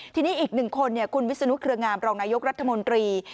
ทีนี้อีกหนึ่งคนคุณวิศนุเครืองามรองนายกรัฐมนตรี